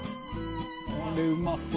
これうまそう。